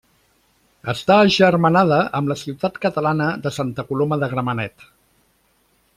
Està agermanada amb la ciutat catalana de Santa Coloma de Gramenet.